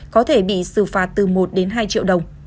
có thể bị xử phạt từ một đến hai triệu đồng